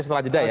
setelah jeda ya